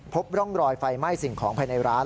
พบร่องรอยไฟไหม้สิ่งของภายในร้าน